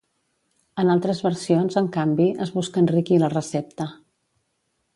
En altres versions, en canvi, es busca enriquir la recepta.